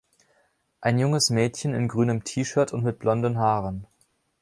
Ein junges Mädchen in grünem T-Shirt und mit blonden Haaren.